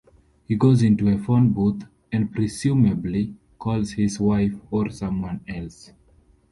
He goes into a phone booth, and presumably calls his wife or someone else.